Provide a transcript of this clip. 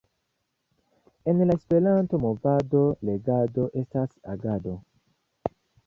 En la Esperanto-movado, legado estas agado!